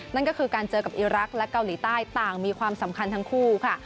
นั่นก็คือการเจอกับอีรักษ์และเกาหลีใต้ต่างมีความสำคัญทั้งคู่ค่ะ